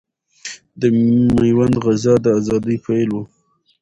د ميوند غزا د اذادۍ پيل ؤ